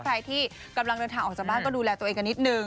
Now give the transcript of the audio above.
ใครที่กำลังเดินทางออกจากบ้านก็ดูแลตัวเองกันนิดนึง